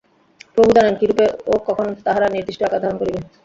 প্রভু জানেন, কিরূপে ও কখন তাহারা নির্দিষ্ট আকার ধারণ করিবে।